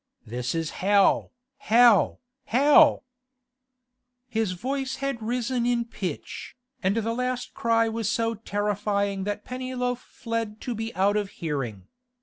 This is Hell—Hell—Hell!"' His voice had risen in pitch, and the last cry was so terrifying that Pennyloaf fled to be out of hearing.